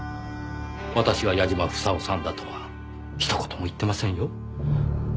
私は矢嶋房夫さんだとはひと言も言ってませんよ。